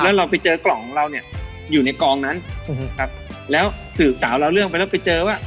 แล้วเราไปเจอกล่องของเราเนี่ยอยู่ในกองนั้นครับแล้วสืบสาวเราเรื่องไปแล้วไปเจอว่า